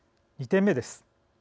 ２点目です。